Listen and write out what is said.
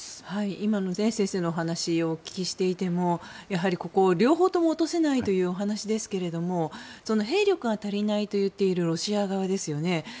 今の先生のお話をお聞きしていても両方とも落とせないというお話ですけども兵力が足りないというのはロシア側ですよね。